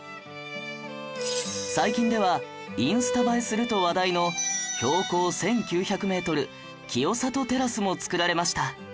最近ではインスタ映えすると話題の標高１９００メートル清里テラスも造られました